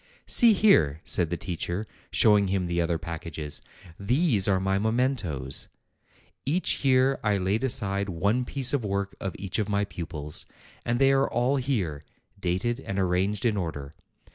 "See here," said the teacher, showing him the other packages; "these are my mementoes. Each year I laid aside one piece of work of each of my pupils; and they are all here, dated and arranged in order.